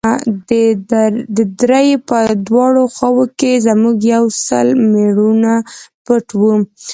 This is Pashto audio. د درې په دواړو خواوو کښې زموږ يو سل مېړونه پټ وو.